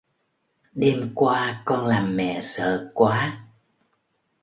đêm qua con làm mẹ sợ quá